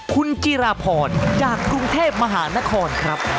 คุณจิราพรจากกรุงเทพมหานครครับ